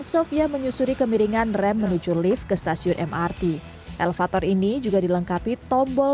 sofia menyusuri kemiringan rem menuju lift ke stasiun mrt elevator ini juga dilengkapi tombol